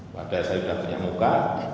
padahal saya sudah punya muka